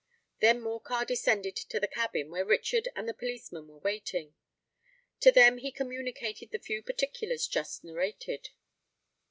Then Morcar descended to the cabin, where Richard and the policeman were waiting. To them he communicated the few particulars just narrated.